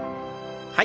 はい。